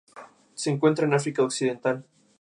Se encuentran en África Occidental.